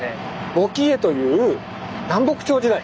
「慕帰絵」という南北朝時代